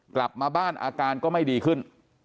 กลับมาบ้านอาการก็ไม่ดีขึ้น